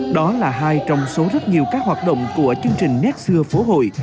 đó là hai trong số rất nhiều các hoạt động của chương trình net xưa phố hội